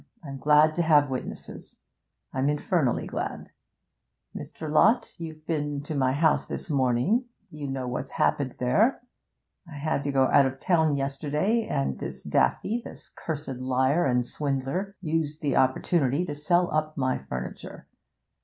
I'm glad to have witnesses I'm infernally glad! Mr. Lott, you've been to my house this morning; you know what's happened there. I had to go out of town yesterday, and this Daffy, this cursed liar and swindler, used the opportunity to sell up my furniture.